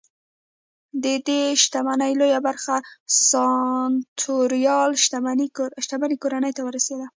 ددې شتمنۍ لویه برخه سناتوریال شتمنۍ کورنۍ ته ورسېده